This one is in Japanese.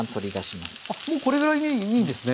あっもうこれぐらいでいいんですね。